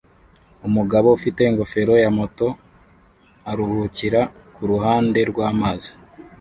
Umugabo ufite ingofero ya moto aruhukira kuruhande rwamazi